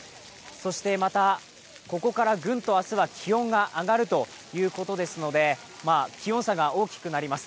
また、ここからグンと明日は気温が上がるということですので、気温差が大きくなります。